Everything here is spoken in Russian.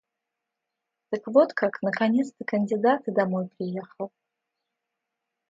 Так вот как, наконец ты кандидат и домой приехал.